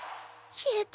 消えた。